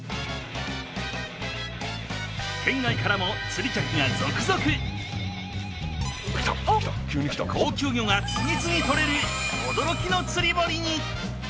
県外からも高級魚が次々とれる驚きの釣り堀に。